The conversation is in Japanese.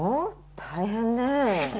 大変ねえ